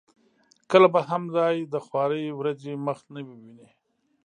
کله به هم دای د خوارې ورځې مخ نه وویني.